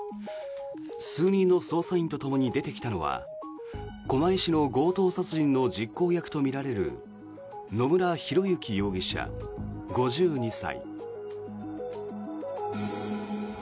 数人の捜査員とともに出てきたのは狛江市の強盗殺人の実行役とみられる野村広之容疑者、５２歳。